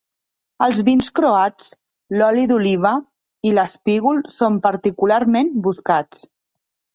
Els vins croats, l'oli d'oliva i l'espígol són particularment buscats.